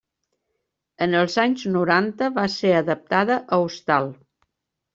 En els anys noranta va ser adaptada a hostal.